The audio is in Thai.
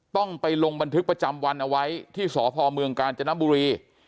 ต้องไปลงบันทึกประจำวันเอาไว้ที่สพเมืองกาญจนบุรี